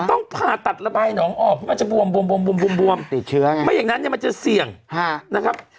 ต้องผ่าตัดระบายหนองออกเพราะมันจะบวมติดเชื้อไม่อย่างนั้นเนี่ยมันจะเสี่ยงนะครับ